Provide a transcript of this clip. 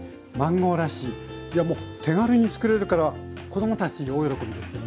もう手軽に作れるから子供たち大喜びですよね。